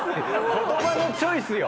⁉言葉のチョイスよ！